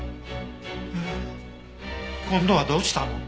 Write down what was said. え今度はどうしたの？